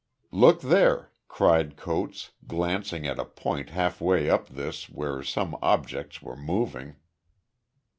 "Look there," cried Coates, glancing at a point halfway up this where some objects were moving.